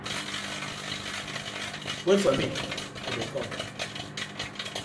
Wait for mi I dey kom.